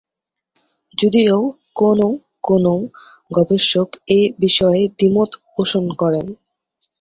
যদিও কোনও কোনও গবেষক এই বিষয়ে দ্বিমত পোষণ করেন।